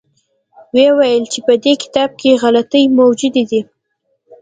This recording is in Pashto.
ویې ویل چې په دې کتاب کې غلطۍ موجودې دي.